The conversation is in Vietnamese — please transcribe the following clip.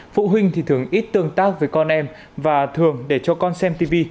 phụ huynh thì thường ít tương tác với con em và thường để cho con xem tv